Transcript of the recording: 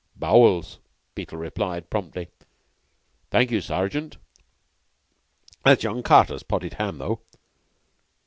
"Bowels," Beetle replied, promptly. "Thank you, Sergeant. That's young Carter's potted ham, though."